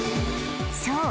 そう